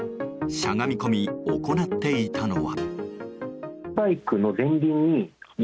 しゃがみ込み行っていたのは。